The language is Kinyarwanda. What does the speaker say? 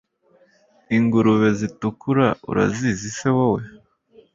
ingurube zitukura urazizi se wowe